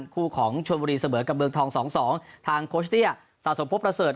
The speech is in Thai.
คู่ของชวนบุรีเสมอกับเมืองทองสองสองทางโคชเตี้ยสะสมพบประเสริฐ